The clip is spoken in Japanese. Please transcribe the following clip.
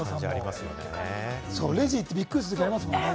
レジ行って、びっくりするのありますもんね。